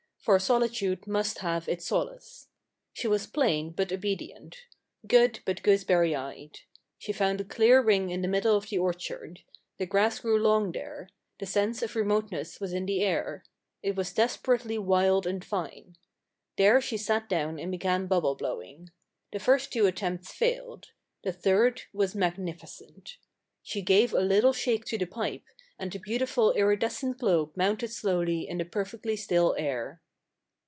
For solitude must have its solace. She was plain, but obed ient; good, but gooseberry eyed. She found a clear ring in the middle of the orchard; the grass grew long there; the sense of remoteness was in the air. It was desperately wild and fine. There she sat down and began bubble blowing. The first two attempts failed. The third was magnificent. She gave a little shake to the pipe, and the beautiful iridescent globe mounted slowly in the perfectly still air.